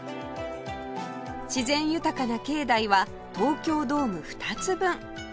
自然豊かな境内は東京ドーム２つ分